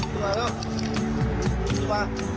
เข้ามาแล้ว